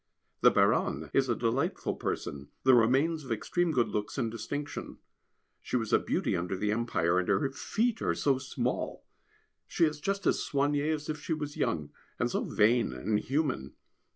The Baronne is a delightful person, the remains of extreme good looks and distinction. She was a beauty under the Empire, and her feet are so small, she is just as soignée as if she was young, and so vain and human.